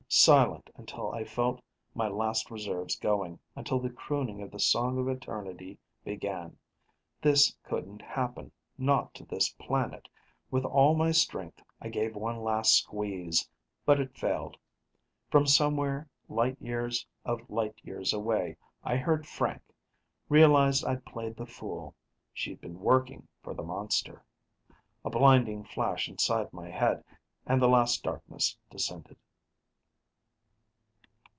Silent until I felt my last reserves going, until the crooning of the Song of Eternity began. This couldn't happen, not to this planet. With all my strength, I gave one last squeeze but it failed. From somewhere, light years of light years away, I heard Frank, realized I'd played the fool: she'd been working for the monster. A blinding flash inside my head and the Last Darkness descended.